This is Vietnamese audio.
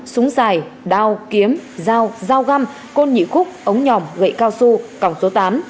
súng dài đao kiếm dao dao găm con nhị khúc ống nhỏm gậy cao su cỏng số tám